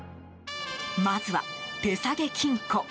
まずは手提げ金庫。